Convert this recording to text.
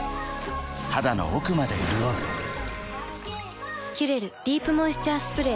肌の奥まで潤う「キュレルディープモイスチャースプレー」